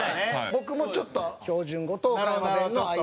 僕もちょっと標準語と岡山弁の間みたいな。